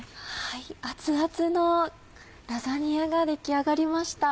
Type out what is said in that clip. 熱々のラザニアが出来上がりました。